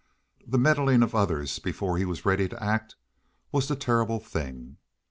The meddling of others before he was ready to act was the terrible thing.